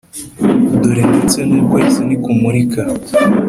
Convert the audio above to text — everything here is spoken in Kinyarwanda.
Dore ndetse n ukwezi ntikumurika